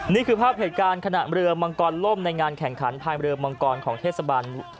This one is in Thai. นี่คือภาพเหตุการณ์ขณะเรือมังกรล่มในงานแข่งขันภายเรือมังกรของเทศบาล